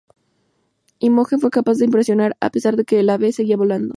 Imogen fue capaz de impresionar, a pesar de que el ave seguía volando.